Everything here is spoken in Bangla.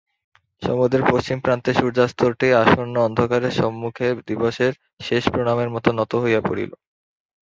সমুদ্রের পশ্চিম প্রান্তে সূর্যাস্তটি আসন্ন অন্ধকারের সম্মুখে দিবসের শেষ প্রণামের মতো নত হইয়া পড়িল।